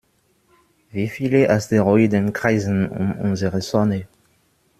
Wie viele Asteroiden kreisen um unsere Sonne?